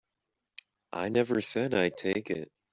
I never said I'd take it.